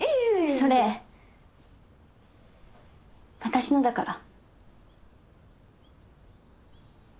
それ私のだから。